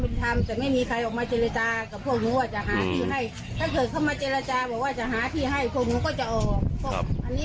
เพราะอันนี้ไม่ใช่ว่าจะมาปิดอย่างนี้